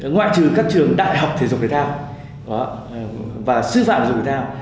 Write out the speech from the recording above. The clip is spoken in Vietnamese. ngoại trừ các trường đại học thể dục thể thao và sư phạm thể dục thể thao